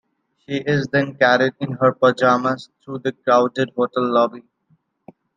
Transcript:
She is then carried in her pajamas through the crowded hotel lobby.